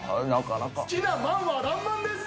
好きな「まん」は『らんまん』です。